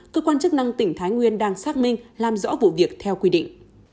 cơ quan chức năng tỉnh thái nguyên đang xác minh làm rõ vụ việc theo quy định